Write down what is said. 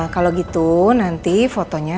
kalau gitu nanti fotonya